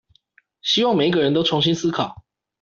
希望每一個人都重新思考